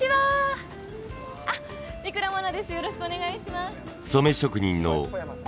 よろしくお願いします。